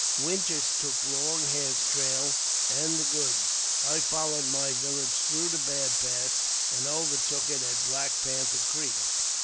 Winters took Long Hair's trail with the goods ; I followed my village through the Bad Pass, and over took it at Black Panther Creek.